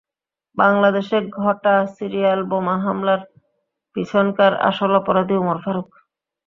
বাংলাদেশে ঘটা সিরিয়াল বোমা হামলার পিছনকার আসল অপরাধী ওমর ফারুক।